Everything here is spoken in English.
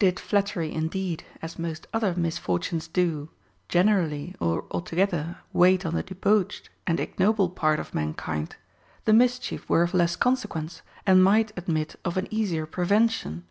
2. Did flattery, indeed, as most other misfortunes do, generally or altogether wait on the debauched and ignoble part of mankind, the mischief were of less consequence, and might admit of an easier prevention.